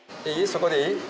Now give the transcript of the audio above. そこでいい？